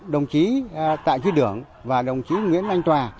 đồng chí tạ chứ đưởng và đồng chí nguyễn anh tòa